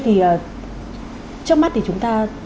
thì trước mắt thì chúng ta